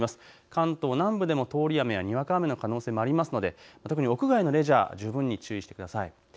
関東南部でも通り雨やにわか雨の可能性もありますので特に屋外のレジャー、十分注意してください。